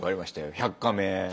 「１００カメ」。